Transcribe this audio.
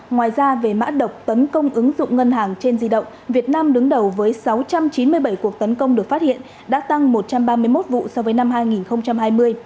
ngoài ra về mã độc tấn công ứng dụng ngân hàng trên di động việt nam đứng đầu với sáu trăm chín mươi bảy cuộc tấn công được phát hiện đã tăng một trăm ba mươi một vụ so với năm hai nghìn hai mươi